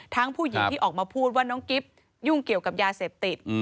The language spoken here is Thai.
ผู้หญิงที่ออกมาพูดว่าน้องกิ๊บยุ่งเกี่ยวกับยาเสพติด